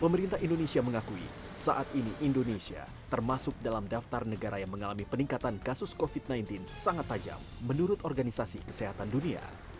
pemerintah indonesia mengakui saat ini indonesia termasuk dalam daftar negara yang mengalami peningkatan kasus covid sembilan belas sangat tajam menurut organisasi kesehatan dunia